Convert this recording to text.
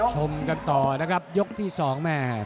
ชมกันต่อนะครับยกที่สองแม่